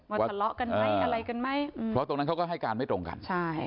ทะเลาะกันไหมอะไรกันไหมเพราะตรงนั้นเขาก็ให้การไม่ตรงกันใช่